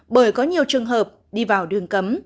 bởi có nhiều trường hợp đi vào đường cấm